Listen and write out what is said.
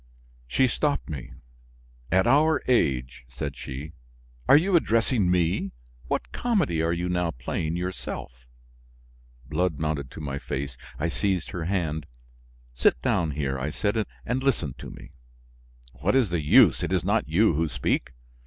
She stopped me. "At our age!" said she. "Are you addressing me? What comedy are you now playing yourself?" Blood mounted to my face. I seized her hand. "Sit down here," I said, "and listen to me." "What is the use? It is not you who speak."